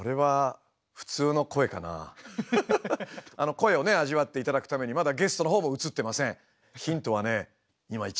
声をね味わっていただくためにまだゲストのほうも映ってません。